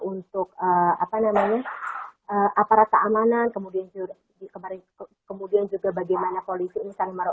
untuk apa namanya aparat keamanan kemudian kemarin kemudian juga bagaimana polisi misalnya